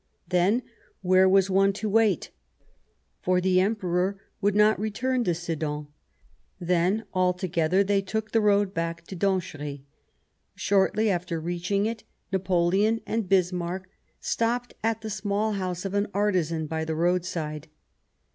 Then, where was one to wait ? For the Emperor would not return to Sedan. Then, all together, they took the road back to Donchery. Shortly before reaching it, Napoleon and Bismarck stopped at the small house of an artisan by the roadside.